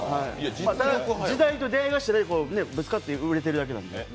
時代と出会い頭にぶつかって売れてるだけなんで。